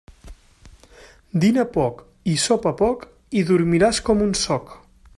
Dina poc i sopa poc i dormiràs com un soc.